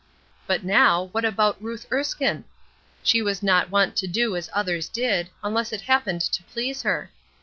But now, what about Ruth Erskine? She was not wont to do as others did, unless it happened to please her.